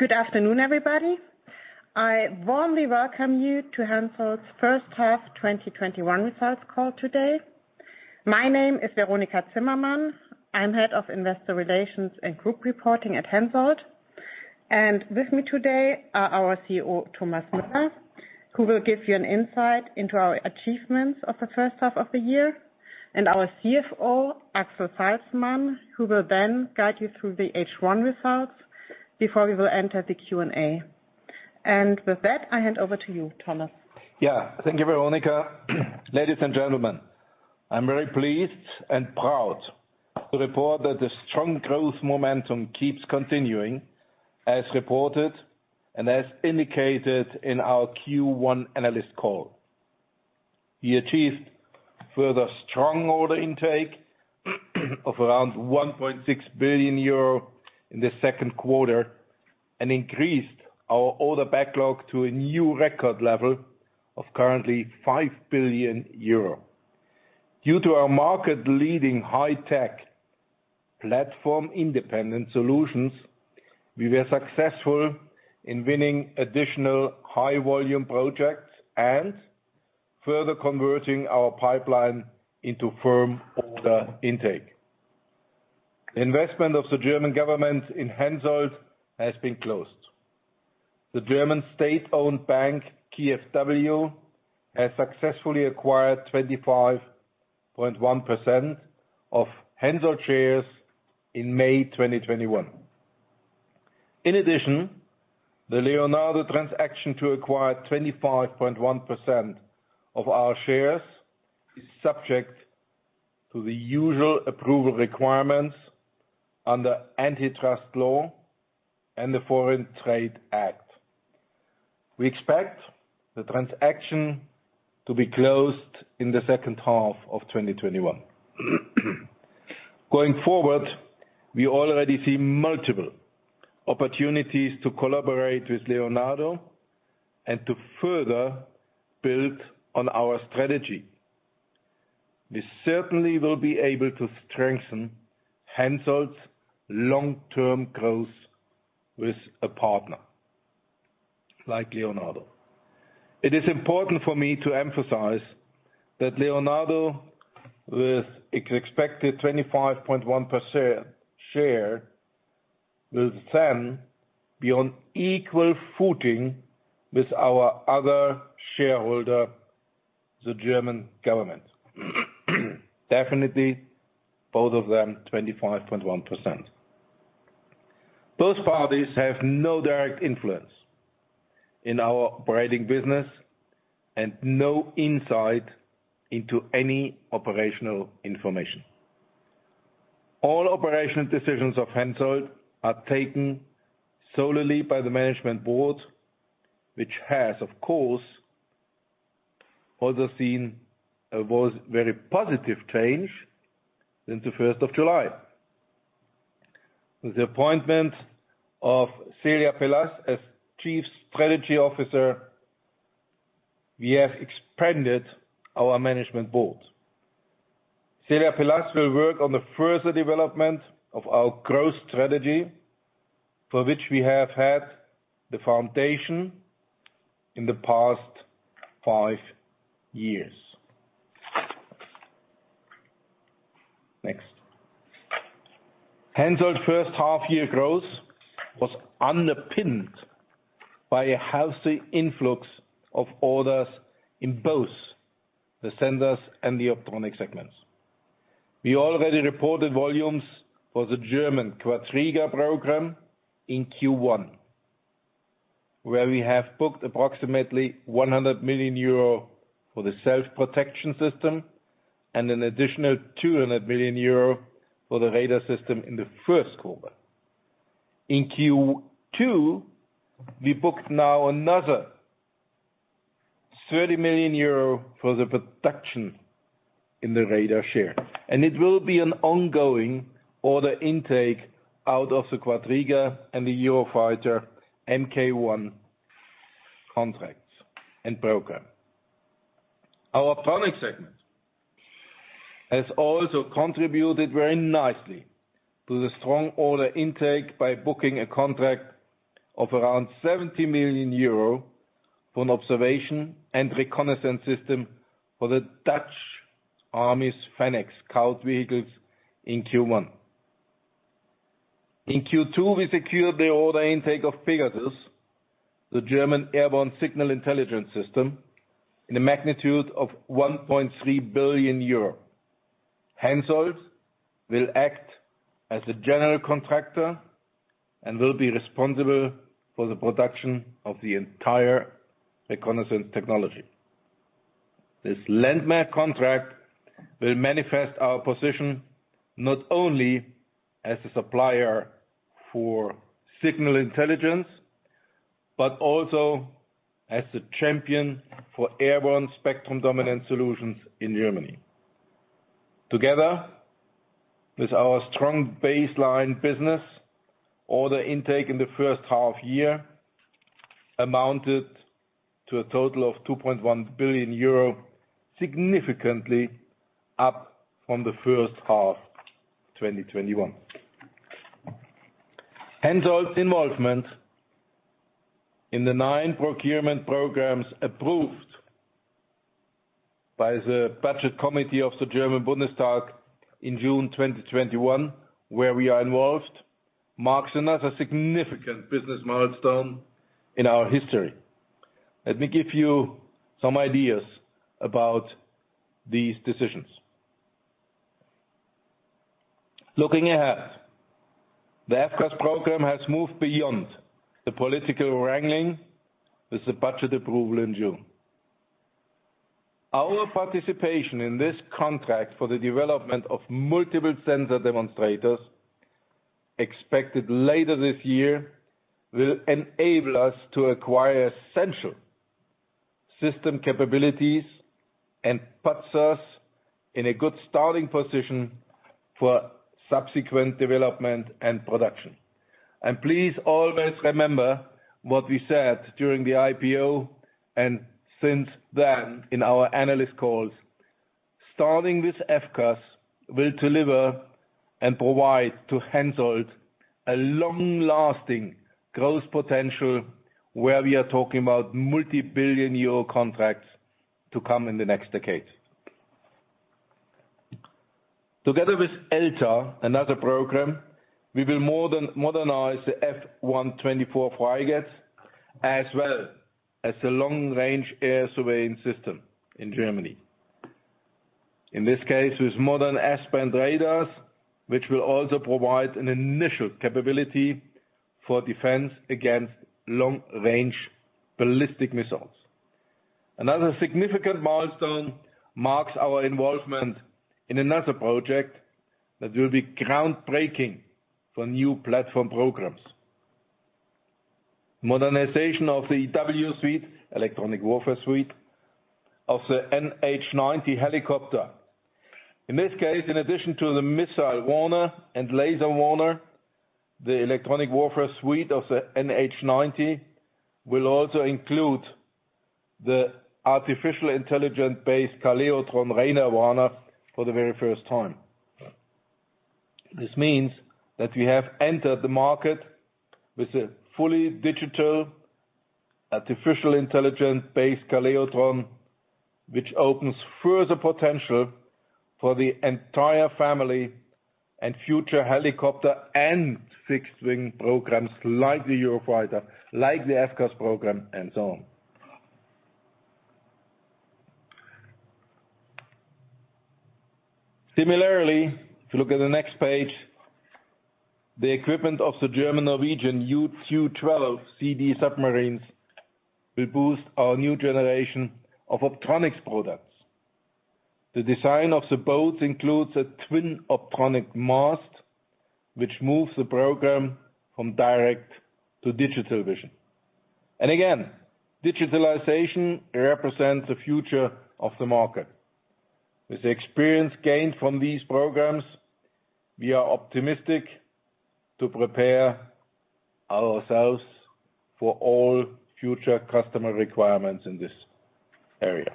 Good afternoon, everybody. I warmly welcome you to Hensoldt's First Half 2021 results call today. My name is Veronika Endres. I'm Head of Investor Relations and Group Reporting at Hensoldt. With me today are our CEO, Thomas Müller, who will give you an insight into our achievements of the first half of the year, and our CFO, Axel Salzmann, who will then guide you through the H1 results before we will enter the Q&A. With that, I hand over to you, Thomas. Yeah. Thank you, Veronika. Ladies and gentlemen, I'm very pleased and proud to report that the strong growth momentum keeps continuing as reported and as indicated in our Q1 analyst call. We achieved further strong order intake of around 1.6 billion euro in the second quarter and increased our order backlog to a new record level of currently 5 billion euro. Due to our market-leading high-tech platform-independent solutions, we were successful in winning additional high-volume projects and further converting our pipeline into firm order intake. Investment of the German Government in Hensoldt has been closed. The German state-owned bank, KfW, has successfully acquired 25.1% of Hensoldt shares in May 2021. In addition, the Leonardo transaction to acquire 25.1% of our shares is subject to the usual approval requirements under antitrust law and the Foreign Trade and Payments Act. We expect the transaction to be closed in the second half of 2021. Going forward, we already see multiple opportunities to collaborate with Leonardo and to further build on our strategy. We certainly will be able to strengthen Hensoldt's long-term growth with a partner like Leonardo. It is important for me to emphasize that Leonardo with expected 25.1% share will then be on equal footing with our other shareholder, the German Government. Both of them 25.1%. Both parties have no direct influence in our operating business and no insight into any operational information. All operational decisions of Hensoldt are taken solely by the management board, which has, of course, also seen a very positive change since the 1st of July. With the appointment of Celia Peláez as Chief Strategy Officer, we have expanded our management board. Celia Peláez will work on the further development of our growth strategy for which we have had the foundation in the past five years. Next. Hensoldt first half-year growth was underpinned by a healthy influx of orders in both the sensors and the optronics segments. We already reported volumes for the German Quadriga program in Q1, where we have booked approximately 100 million euro for the self-protection system and an additional 200 million euro for the radar system in the first quarter. In Q2, we booked now another 30 million euro for the production in the radar share. It will be an ongoing order intake out of the Quadriga and the Eurofighter MK1 contracts and program. Our product segment has also contributed very nicely to the strong order intake by booking a contract of around 70 million euro for an observation and reconnaissance system for the Dutch Army's Fennek scout vehicles in Q1. In Q2, we secured the order intake of PEGASUS, the German airborne signal intelligence system, in a magnitude of 1.3 billion euro. Hensoldt will act as a general contractor and will be responsible for the production of the entire reconnaissance technology. This landmark contract will manifest our position not only as a supplier for signal intelligence but also as a champion for airborne spectrum dominant solutions in Germany. Together with our strong baseline business, order intake in the first half year amounted to a total of 2.1 billion euro, significantly up from the first half 2021. Hensoldt involvement in the nine procurement programs approved by the Budget Committee of the German Bundestag in June 2021, where we are involved, marks another significant business milestone in our history. Let me give you some ideas about these decisions. Looking ahead, the FCAS program has moved beyond the political wrangling with the budget approval in June. Our participation in this contract for the development of multiple sensor demonstrators, expected later this year, will enable us to acquire essential system capabilities and puts us in a good starting position for subsequent development and production. Please always remember what we said during the IPO and since then in our analyst calls. Starting with FCAS will deliver and provide to Hensoldt a long-lasting growth potential, where we are talking about multi-billion EUR contracts to come in the next decade. Together with ELTA, another program, we will modernize the F124 frigates as well as the long-range air surveying system in Germany. In this case, with modern S-band radars, which will also provide an initial capability for defense against long-range ballistic missiles. Another significant milestone marks our involvement in another project that will be groundbreaking for new platform programs. Modernization of the EW suite, electronic warfare suite, of the NH90 helicopter. In this case, in addition to the missile warner and laser warner, the electronic warfare suite of the NH90 will also include the artificial intelligence-based Kalaetron radar warner for the very first time. This means that we have entered the market with a fully digital artificial intelligence-based Kalaetron, which opens further potential for the entire family and future helicopter and fixed-wing programs like the Eurofighter, like the FCAS program and so on. If you look at the next page, the equipment of the German-Norwegian U212 CD submarines will boost our new generation of optronics products. The design of the boats includes a twin optronic mast, which moves the program from direct to digital vision. Again, digitalization represents the future of the market. With the experience gained from these programs, we are optimistic to prepare ourselves for all future customer requirements in this area.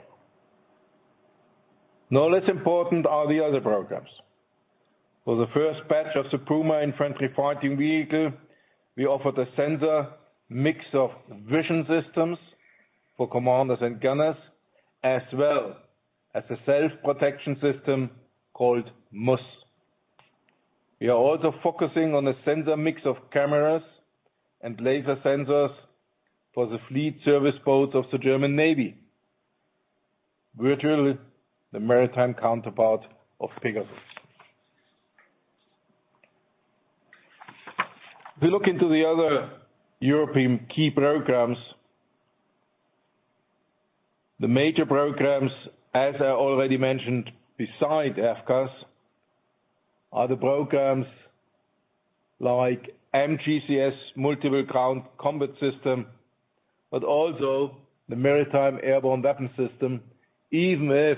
No less important are the other programs. For the first batch of the Puma infantry fighting vehicle, we offered a sensor mix of vision systems for commanders and gunners, as well as a self-protection system called MUSS. We are also focusing on a sensor mix of cameras and laser sensors for the fleet service boats of the German Navy. Virtually the maritime counterpart of PEGASUS. If we look into the other European key programs, the major programs, as I already mentioned, besides FCAS, are the programs like MGCS, Main Ground Combat System, but also the Maritime Airborne Weapon System, even if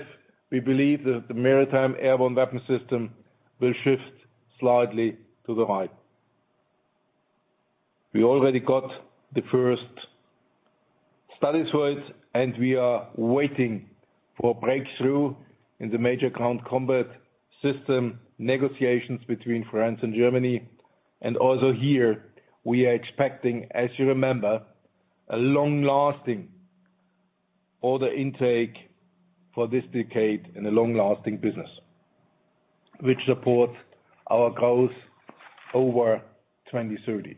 we believe that the Maritime Airborne Weapon System will shift slightly to the right. We already got the first studies for it. We are waiting for breakthrough in the Main Ground Combat System negotiations between France and Germany. Also here, we are expecting, as you remember, a long-lasting order intake for this decade and a long-lasting business, which supports our growth over 2030.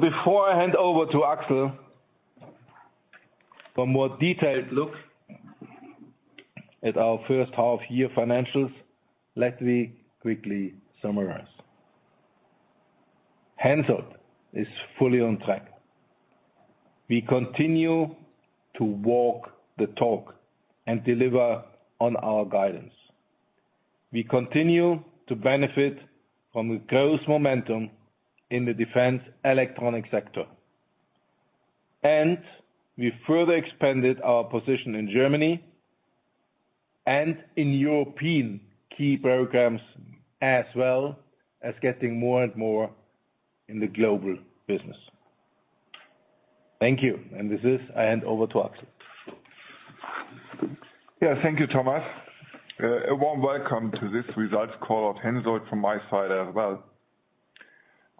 Before I hand over to Axel for a more detailed look at our first half-year financials, let me quickly summarize. Hensoldt is fully on track. We continue to walk the talk and deliver on our guidance. We continue to benefit from the growth momentum in the defense electronics sector. We further expanded our position in Germany and in European key programs, as well as getting more and more in the global business. Thank you. With this, I hand over to Axel. Thank you, Thomas. A warm welcome to this results call of Hensoldt from my side as well.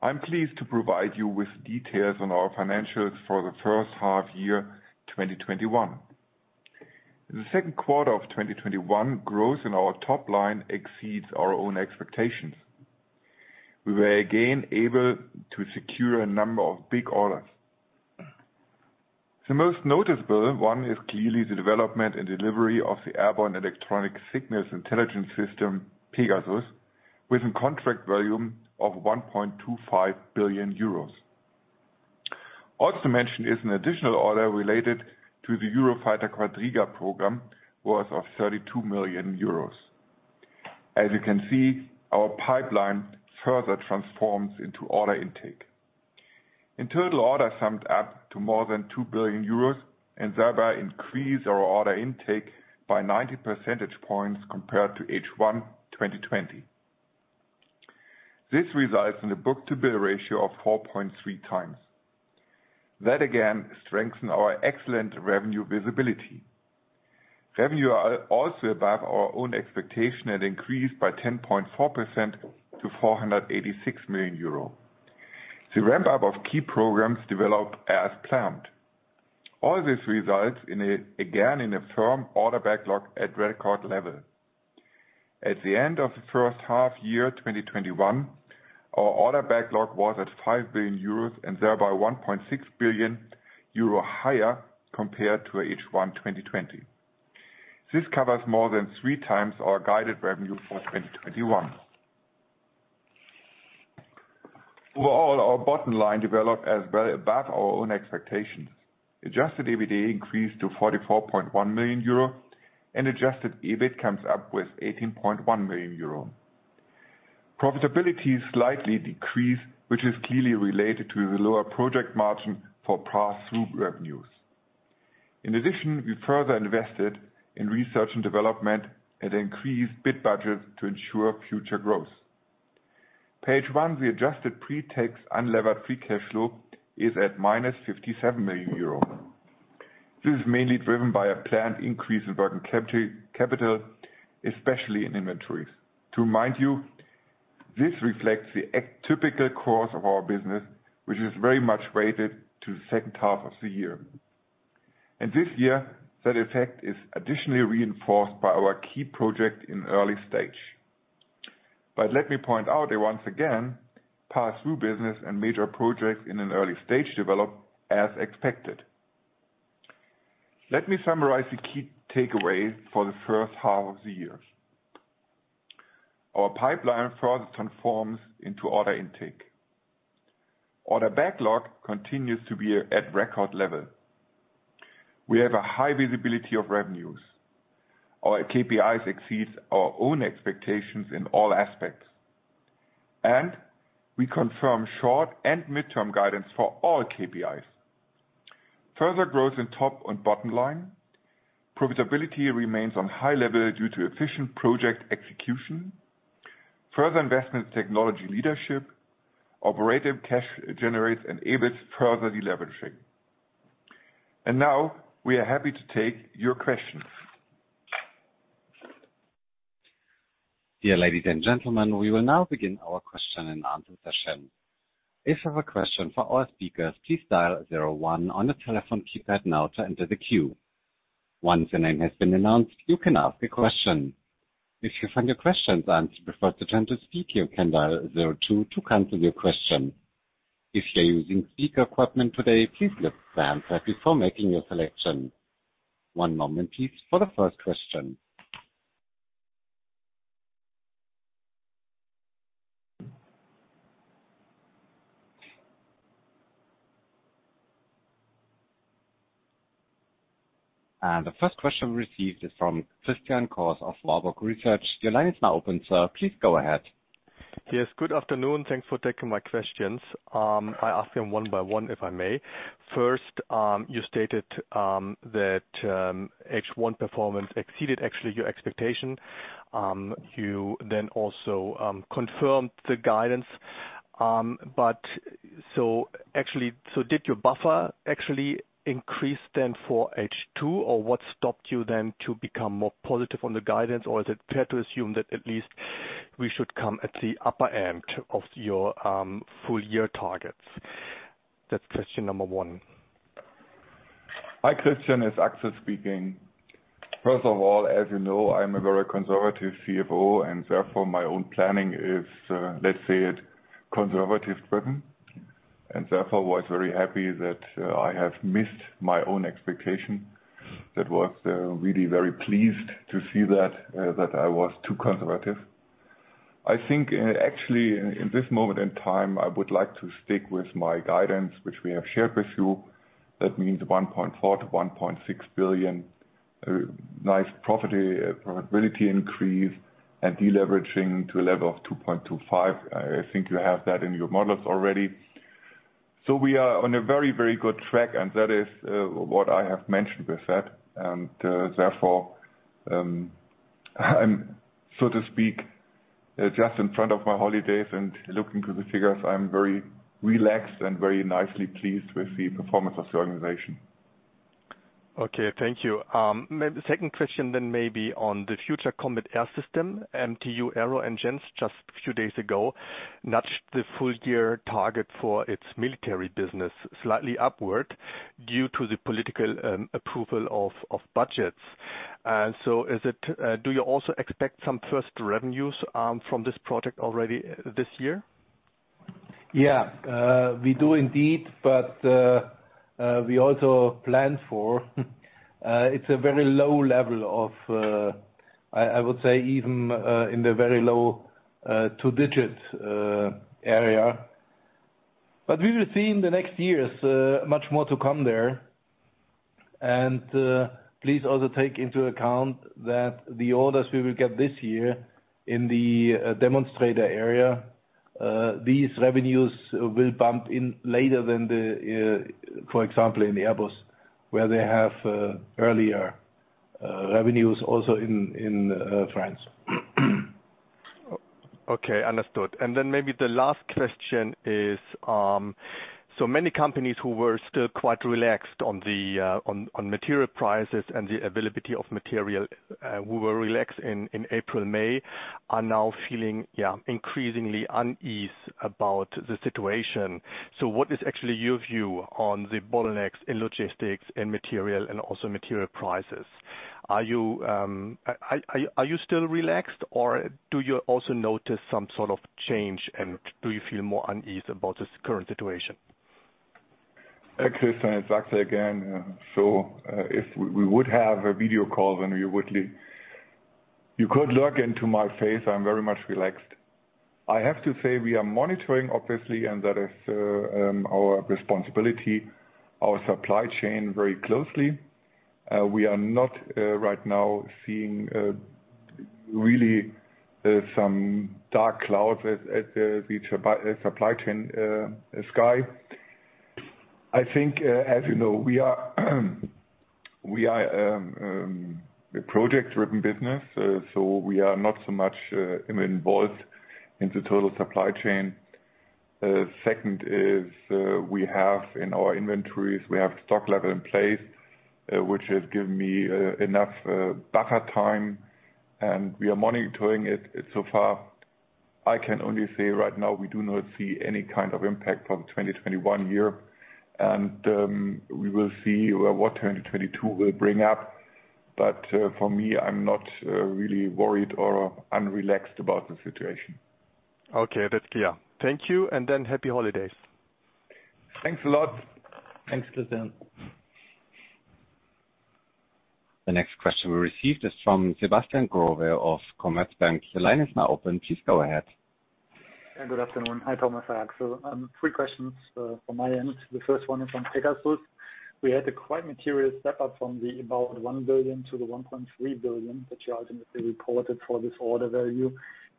I'm pleased to provide you with details on our financials for the first half year 2021. In the second quarter of 2021, growth in our top line exceeds our own expectations. We were again able to secure a number of big orders. The most noticeable one is clearly the development and delivery of the airborne electronic signals intelligence system, PEGASUS, with a contract volume of 1.25 billion euros. Mentioned is an additional order related to the Eurofighter Quadriga program, worth of 32 million euros. As you can see, our pipeline further transforms into order intake. Orders summed up to more than 2 billion euros, and thereby increased our order intake by 90 percentage points compared to H1 2020. This results in a book-to-bill ratio of 4.3x. That again strengthens our excellent revenue visibility. Revenue are also above our own expectation and increased by 10.4% to 486 million euro. The ramp-up of key programs developed as planned. All this results, again, in a firm order backlog at record level. At the end of the first half year 2021, our order backlog was at 5 billion euros, and thereby 1.6 billion euro higher compared to H1 2020. This covers more than 3x our guided revenue for 2021. Overall, our bottom line developed as well above our own expectations. Adjusted EBITDA increased to 44.1 million euro, and adjusted EBIT comes up with 18.1 million euro. Profitability slightly decreased, which is clearly related to the lower project margin for pass-through revenues. In addition, we further invested in research and development and increased bid budget to ensure future growth. Page one, the adjusted pre-tax unlevered free cash flow is at -57 million euro. This is mainly driven by a planned increase in working capital, especially in inventories. To remind you, this reflects the typical course of our business, which is very much weighted to the second half of the year. This year, that effect is additionally reinforced by our key project in early stage. Let me point out that once again, pass-through business and major projects in an early stage develop as expected. Let me summarize the key takeaways for the first half of the year. Our pipeline further transforms into order intake. Order backlog continues to be at record level. We have a high visibility of revenues. Our KPIs exceeds our own expectations in all aspects, and we confirm short and mid-term guidance for all KPIs. Further growth in top and bottom line. Profitability remains on high level due to efficient project execution. Further investment in technology leadership. Operating cash generates an EBIT further deleveraging. Now we are happy to take your questions. Dear ladies and gentlemen, we will now begin our question-and-answer session. If you have a question for our speakers, please dial zero one on the telephone keypad now to enter the queue. Once the name has been announced you can now ask the question. One moment please for the first question. The first question received is from Christian Cohrs of Warburg Research. Your line is now open, sir. Please go ahead. Yes. Good afternoon. Thanks for taking my questions. I ask them one by one, if I may. First, you stated that H1 performance exceeded, actually, your expectation. You then also confirmed the guidance. Did your buffer actually increase then for H2, or what stopped you then to become more positive on the guidance? Is it fair to assume that at least we should come at the upper end of your full year targets? That's question number one. Hi, Christian. It's Axel Salzmann speaking. First of all, as you know, I'm a very conservative CFO, my own planning is, let's say, conservative-driven, was very happy that I have missed my own expectation. That was really very pleased to see that I was too conservative. I think, actually, in this moment in time, I would like to stick with my guidance, which we have shared with you. That means 1.4 billion-1.6 billion A nice profitability increase and deleveraging to a level of 2.25. I think you have that in your models already. We are on a very good track, what I have mentioned with that. I'm, so to speak, just in front of my holidays and looking to the figures, I'm very relaxed and very nicely pleased with the performance of the organization. Okay. Thank you. Second question maybe on the Future Combat Air System, MTU Aero Engines, just a few days ago nudged the full year target for its military business slightly upward due to the political approval of budgets. Do you also expect some first revenues from this project already this year? Yeah. We do indeed. We also planned for, it's a very low level of, I would say even in the very low two digits area. We will see in the next years, much more to come there. Please also take into account that the orders we will get this year in the demonstrator area, these revenues will bump in later than the, for example, in the Airbus, where they have earlier revenues also in France. Understood. Maybe the last question is, many companies who were still quite relaxed on material prices and the availability of material, who were relaxed in April, May, are now feeling increasingly unease about the situation. What is actually your view on the bottlenecks in logistics and material and also material prices? Are you still relaxed, or do you also notice some sort of change, and do you feel more unease about this current situation? Hey, Christian, it's Axel again. If we would have a video call, then you could look into my face. I'm very much relaxed. I have to say we are monitoring, obviously, and that is our responsibility, our supply chain very closely. We are not, right now, seeing really some dark clouds at the supply chain sky. I think, as you know, we are a project-driven business, so we are not so much involved in the total supply chain. Second is, we have in our inventories, we have stock level in place, which has given me enough buffer time, and we are monitoring it so far. I can only say right now, we do not see any kind of impact for the 2021 year. We will see what 2022 will bring up. For me, I'm not really worried or unrelaxed about the situation. Okay. That's clear. Thank you, and then happy holidays. Thanks a lot. Thanks, Christian. The next question we received is from Sebastian Growe of Commerzbank. The line is now open. Please go ahead. Good afternoon. Hi, Thomas. Hi, Axel. Three questions from my end. The first one is on PEGASUS. We had a quite material step up from the about 1 billion to the 1.3 billion that you ultimately reported for this order value.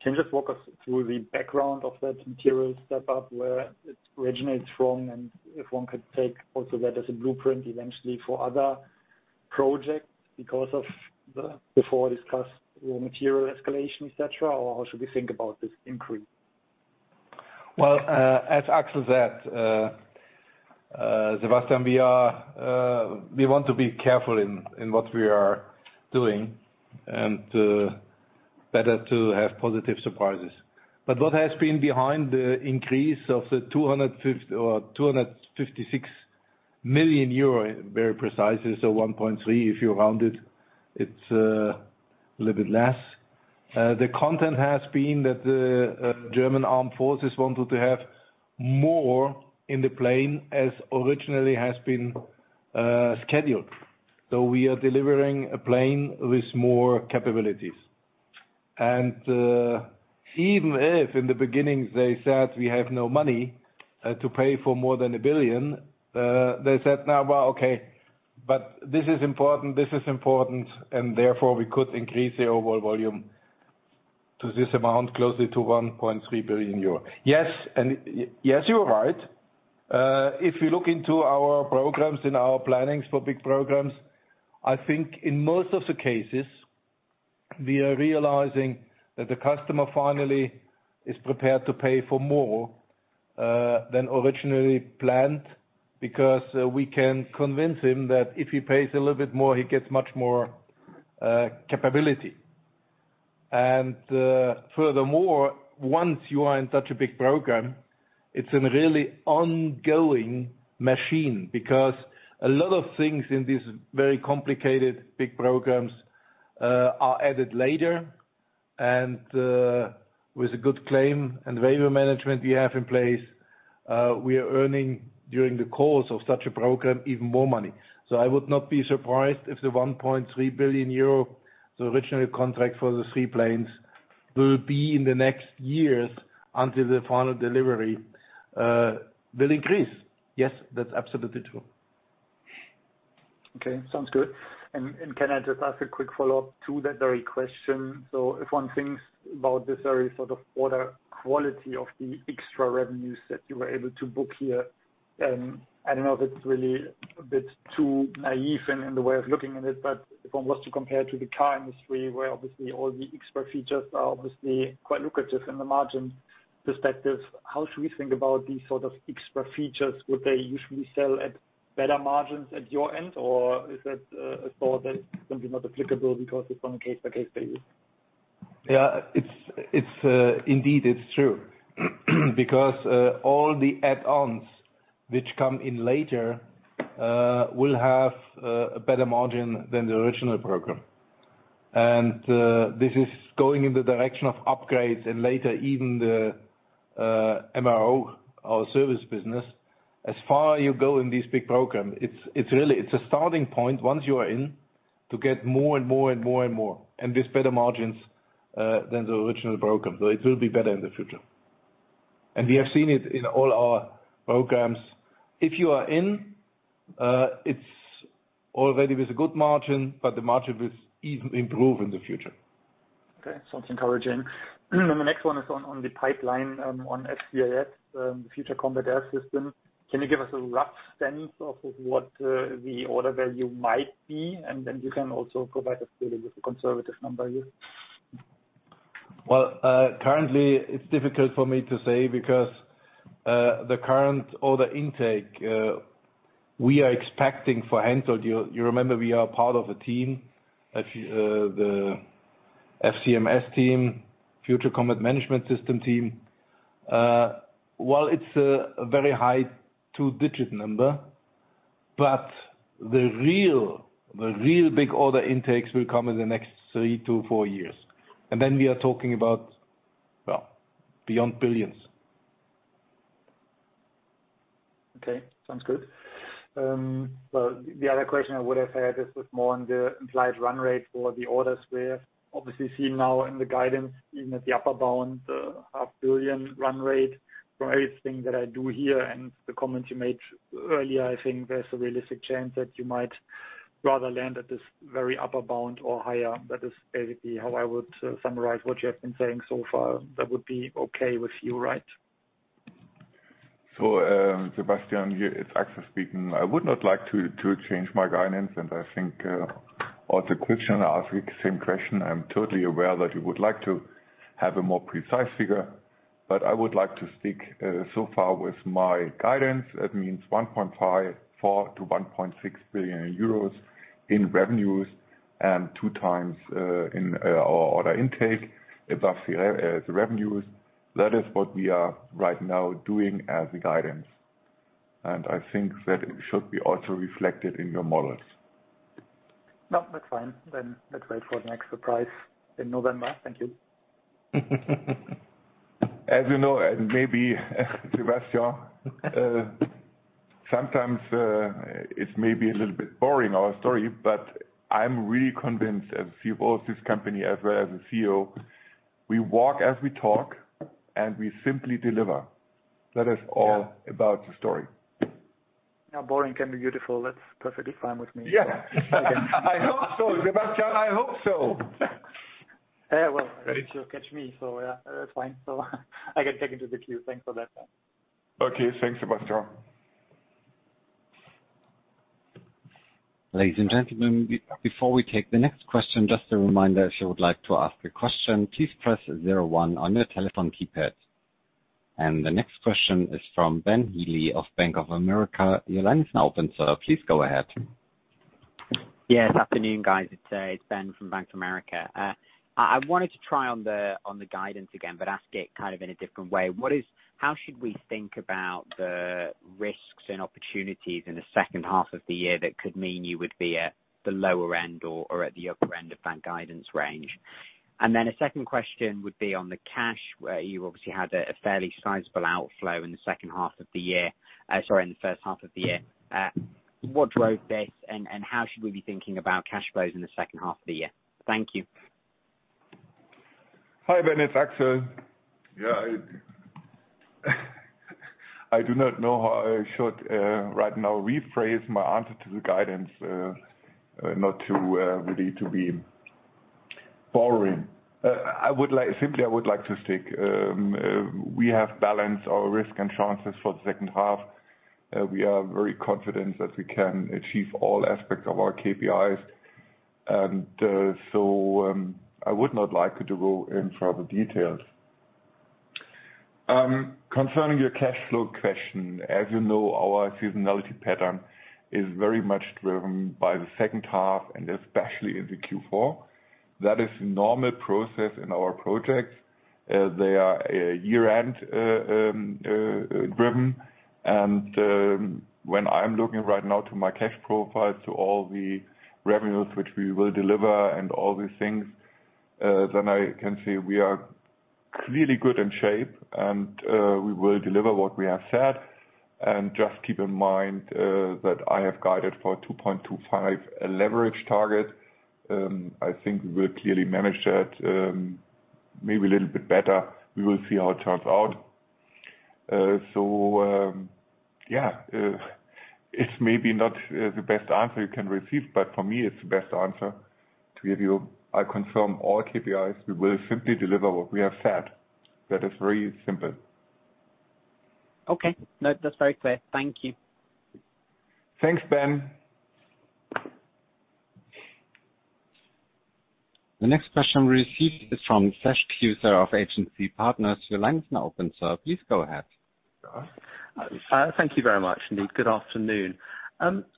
Can you just walk us through the background of that material step up, where it originates from, and if one could take also that as a blueprint eventually for other projects because of the before discussed raw material escalation, et cetera, or how should we think about this increase? Well, as Axel said, Sebastian, we want to be careful in what we are doing and better to have positive surprises. What has been behind the increase of the 256 million euro, very precisely, so 1.3 billion if you round it's a little bit less. The content has been that the German Armed Forces wanted to have more in the plane as originally has been scheduled. We are delivering a plane with more capabilities. Even if in the beginning they said we have no money to pay for more than 1 billion, they said, "Now, well, okay. This is important. This is important," and therefore we could increase the overall volume to this amount closely to 1.3 billion euro. Yes, you are right. If you look into our programs and our plannings for big programs, I think in most of the cases, we are realizing that the customer finally is prepared to pay for more than originally planned because we can convince him that if he pays a little bit more, he gets much more capability. Furthermore, once you are in such a big program, it's a really ongoing machine because a lot of things in these very complicated, big programs are added later. With a good claim and waiver management we have in place, we are earning during the course of such a program even more money. I would not be surprised if the 1.3 billion euro, the original contract for the three planes will be in the next years until the final delivery will increase. Yes, that's absolutely true. Okay, sounds good. Can I just ask a quick follow-up to that very question? If one thinks about this very order quality of the extra revenues that you were able to book here, I don't know if it's really a bit too naive in the way of looking at it, but if one was to compare to the car industry, where obviously all the expert features are obviously quite lucrative in the margin perspective, how should we think about these sort of extra features? Would they usually sell at better margins at your end? Or is that a thought that's simply not applicable because it's on a case-by-case basis? Yeah. Indeed, it's true. Because all the add-ons which come in later will have a better margin than the original program. This is going in the direction of upgrades and later even the MRO or service business. As far as you go in this big program, it's a starting point once you are in, to get more and more and more and more, and with better margins than the original program. It will be better in the future. We have seen it in all our programs. If you are in, it's already with a good margin, but the margin will even improve in the future. Okay. Sounds encouraging. The next one is on the pipeline, on FCAS, Future Combat Air System. Can you give us a rough sense of what the order value might be? You can also provide us with a conservative number here. Well, currently it's difficult for me to say because, the current order intake, we are expecting for Hensoldt, you remember we are part of a team, the FCMS team, Future Combat Mission System team. While it's a very high two-digit number, the real big order intakes will come in the next three to four years. Then we are talking about beyond EUR billions. Okay, sounds good. The other question I would have had is with more on the implied run rate for the orders we have obviously seen now in the guidance, even at the upper bound, the 500 million run rate. From everything that I do hear and the comments you made earlier, I think there's a realistic chance that you might rather land at this very upper bound or higher. That is basically how I would summarize what you have been saying so far. That would be okay with you, right? Sebastian, here it's Axel speaking. I would not like to change my guidance, and I think all the questions are asking the same question. I'm totally aware that you would like to have a more precise figure, but I would like to stick so far with my guidance. That means 1.54 billion-1.6 billion euros in revenues and 2x our order intake above the revenues. That is what we are right now doing as a guidance. I think that it should be also reflected in your models. No, that's fine. Let's wait for the next surprise in November. Thank you. As you know, and maybe Sebastian, sometimes it is maybe a little bit boring, our story. I am really convinced as CFO of this company, as well as the CEO, we walk as we talk and we simply deliver. That is all about the story. Boring can be beautiful. That's perfectly fine with me. Yeah. I hope so, Sebastian. I hope so. Yeah, well, I need to catch me, so yeah. That's fine. I get taken to the queue. Thanks for that. Okay. Thanks, Sebastian. Ladies and gentlemen, before we take the next question, just a reminder, if you would like to ask a question, please press zero one on your telephone keypad. The next question is from Benjamin Heelan of Bank of America. Your line is now open, sir. Please go ahead. Yes, afternoon, guys. It's Ben from Bank of America. I wanted to try on the guidance again, but ask it kind of in a different way. How should we think about the risks and opportunities in the second half of the year that could mean you would be at the lower end or at the upper end of that guidance range? A second question would be on the cash, where you obviously had a fairly sizable outflow in the second half of the year. Sorry, in the first half of the year. What drove this, and how should we be thinking about cash flows in the second half of the year? Thank you. Hi, Ben. It's Axel. Yeah. I do not know how I should right now rephrase my answer to the guidance, not to really to be boring. Simply I would like to stick. We have balanced our risk and chances for the second half. We are very confident that we can achieve all aspects of our KPIs. I would not like to go in further details. Concerning your cash flow question, as you know, our seasonality pattern is very much driven by the second half, and especially in the Q4. That is normal process in our projects. They are year-end driven. When I'm looking right now to my cash profile, to all the revenues which we will deliver and all these things, then I can say we are clearly good in shape, and we will deliver what we have said. Just keep in mind that I have guided for 2.25 leverage target. I think we will clearly manage that maybe a little bit better. We will see how it turns out. Yeah. It's maybe not the best answer you can receive, but for me it's the best answer to give you. I confirm all KPIs, we will simply deliver what we have said. That is very simple. Okay. No, that's very clear. Thank you. Thanks, Ben. The next question received is from Sash Tusa of Agency Partners. Your line is now open, sir, please go ahead. Thank you very much, indeed. Good afternoon.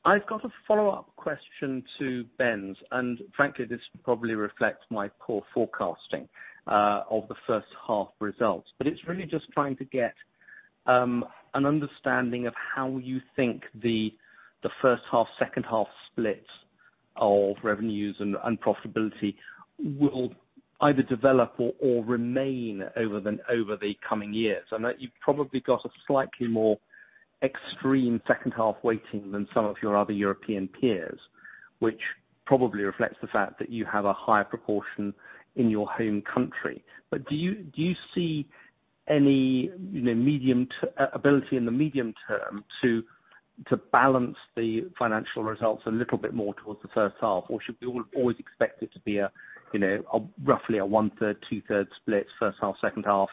I've got a follow-up question to Ben's, and frankly, this probably reflects my poor forecasting of the first half results. It's really just trying to get an understanding of how you think the first half, second half splits of revenues and profitability will either develop or remain over the coming years. I know you've probably got a slightly more extreme second half waiting than some of your other European peers, which probably reflects the fact that you have a higher proportion in your home country. Do you see any ability in the medium term to balance the financial results a little bit more towards the first half? Should we always expect it to be roughly a 1/3, 2/3 split, first half, second half,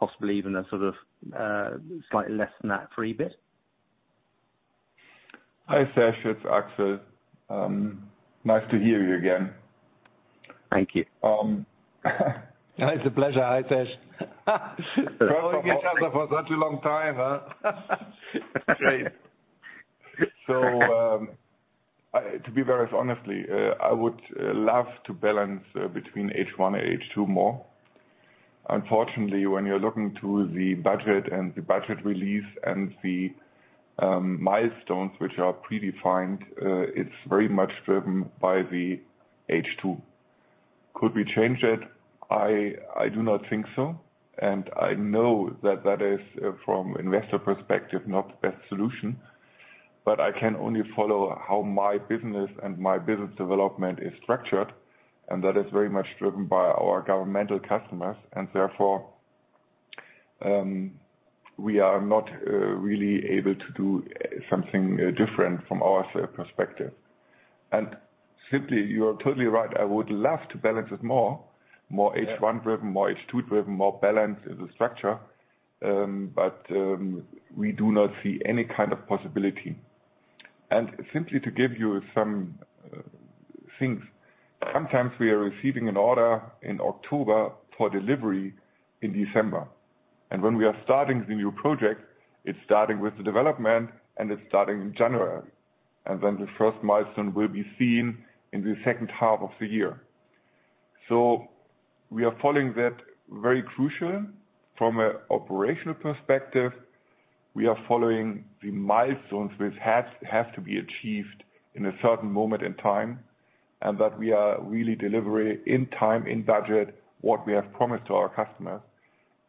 possibly even a sort of slightly less than that three bit? Hi, Sash. It's Axel. Nice to hear you again. Thank you. It's a pleasure. Hi, Sash. Knowing each other for such a long time, huh? Great. To be very honestly, I would love to balance between H1 and H2 more. Unfortunately, when you're looking to the budget and the budget release and the milestones which are predefined, it's very much driven by the H2. Could we change it? I do not think so, and I know that that is, from investor perspective, not the best solution. I can only follow how my business and my business development is structured, and that is very much driven by our governmental customers, and therefore, we are not really able to do something different from our perspective. Simply, you are totally right, I would love to balance it more. More H1 driven, more H2 driven, more balance in the structure. We do not see any kind of possibility. Simply to give you some things, sometimes we are receiving an order in October for delivery in December. When we are starting the new project, it's starting with the development and it's starting in January. Then the first milestone will be seen in the second half of the year. We are following that very crucial from a operational perspective. We are following the milestones which have to be achieved in a certain moment in time, and that we are really delivering in time, in budget, what we have promised to our customers.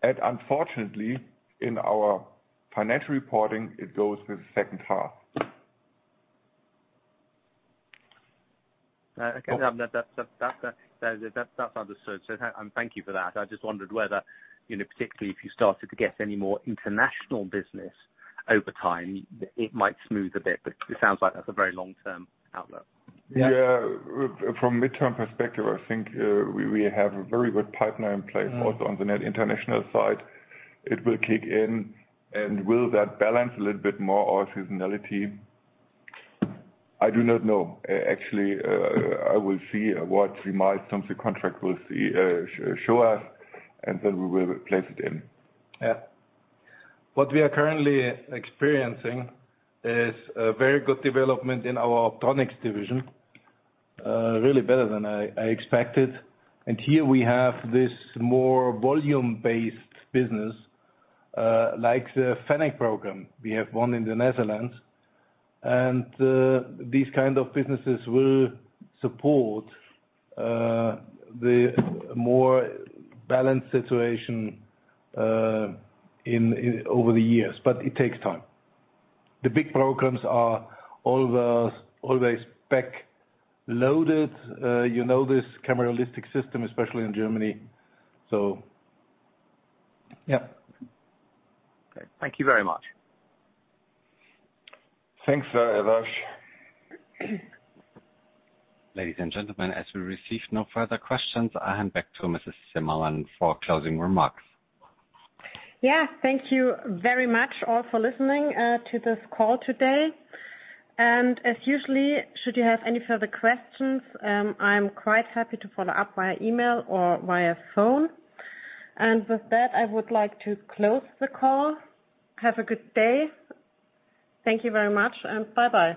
Unfortunately, in our financial reporting, it goes with the second half. Okay. That's understood, sir. Thank you for that. I just wondered whether, particularly if you started to get any more international business over time, it might smooth a bit, but it sounds like that's a very long-term outlook. Yeah. From midterm perspective, I think we have a very good pipeline in place also on the net international side. It will kick in, and will that balance a little bit more our seasonality? I do not know. Actually, I will see what the milestones, the contract will show us, and then we will place it in. Yeah. What we are currently experiencing is a very good development in our optronics division. Really better than I expected. Here we have this more volume-based business, like the Fennek program we have won in the Netherlands. These kind of businesses will support the more balanced situation over the years, but it takes time. The big programs are always back loaded. You know this cameralistic system, especially in Germany. Okay. Thank you very much. Thanks, Sash. Ladies and gentlemen, as we receive no further questions, I hand back to Veronika Zimmermann for closing remarks. Yeah. Thank you very much all for listening to this call today. As usual, should you have any further questions, I'm quite happy to follow up via email or via phone. With that, I would like to close the call. Have a good day. Thank you very much, and bye-bye.